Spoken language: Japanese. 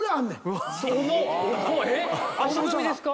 足踏みですか？